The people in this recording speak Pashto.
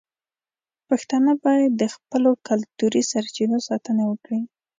پښتانه باید د خپلو کلتوري سرچینو ساتنه وکړي.